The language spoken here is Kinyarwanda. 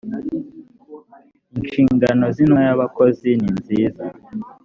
inshingano z intumwa y abakozi ninziza